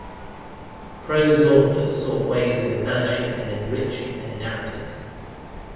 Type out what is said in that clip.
Prose authors sought ways of "embellishing and enriching" their narratives.